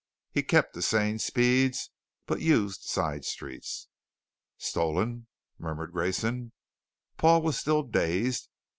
He kept to sane speeds, but used side streets. "Stolen ?" murmured Grayson. Paul was still dazed.